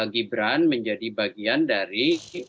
gibran menjadi bagian dari